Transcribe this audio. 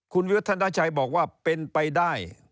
คุณวิวัฒนาชัยบอกว่าเป็นไปได้